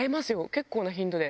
結構な頻度で。